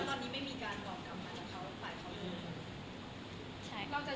พี่สวัสดีครับ